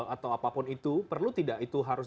atau apapun itu perlu tidak itu harus